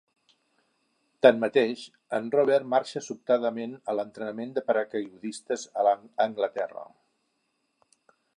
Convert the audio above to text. Tanmateix, en Rober marxa sobtadament a l'entrenament de paracaigudistes a Anglaterra.